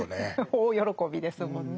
大喜びですもんね。